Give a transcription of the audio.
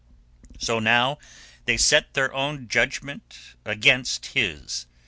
So now they set their own judgment against his.